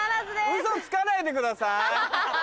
ウソつかないでください。